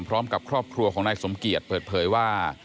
พร้อมกับครอบครัวของนายสมเกียจเปิดเผยว่า